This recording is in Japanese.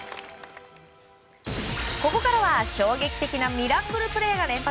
ここからは衝撃的なミラクルプレーが連発。